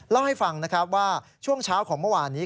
เล่าให้ฟังนะครับว่าช่วงเช้าของเมื่อวานนี้